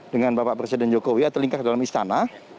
dengan bapak presiden jokowi atau lingkar dalam istana